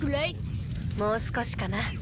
もう少しかな。